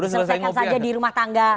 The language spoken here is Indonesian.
selesaikan saja di rumah tangga koalisi ya